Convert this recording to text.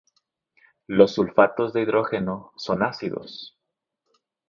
Los sulfatos de hidrógeno son ácidos.